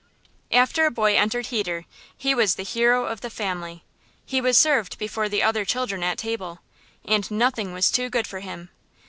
After a boy entered heder, he was the hero of the family. He was served before the other children at table, and nothing was too good for him.